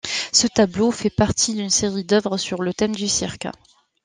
Ce tableau fait partie d'une série d'œuvres sur le thème du cirque.